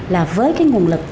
là với cái nguồn lực